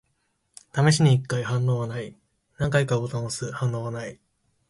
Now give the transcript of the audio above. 試しに一回。反応はない。何回かボタンを押す。反応はない。